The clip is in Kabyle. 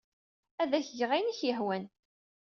Ad ak-geɣ ayen ay ak-yehwan.